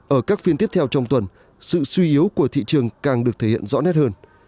ở các phiên tiếp theo trong tuần sự suy yếu của thị trường càng được thể hiện rõ nét hơn